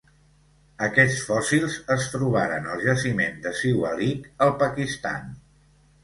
Aquests fòssils es trobaren al jaciment de Siwalik, al Pakistan.